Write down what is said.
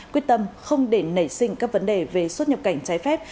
quyết tâm không để nảy sinh các vấn đề về xuất nhập cảnh trái phép